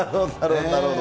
なるほど。